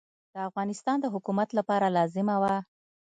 د افغانستان د حکومت لپاره لازمه وه.